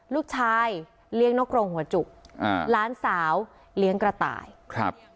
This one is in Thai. ลูกชายเลี้ยงนกกรงหัวจุกอ่าหลานสาวเลี้ยงกระต่ายครับ